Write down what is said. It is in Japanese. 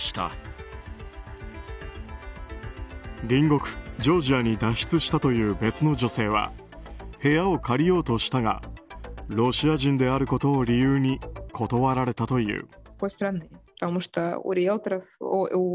隣国ジョージアに脱出したという別の女性は部屋を借りようとしたがロシア人であることを理由に断られたという。